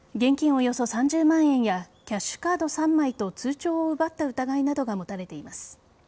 およそ３０万円やキャッシュカード３枚と通帳を奪った疑いなどが持たれています。